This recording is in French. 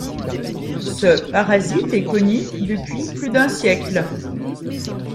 Ce parasite est connu depuis plus d'un siècle.